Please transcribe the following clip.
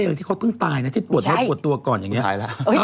โรคไข้ที่เขาเพิ่งตายนะที่ปวดแล้วปวดตัวก่อนอย่างเนี้ย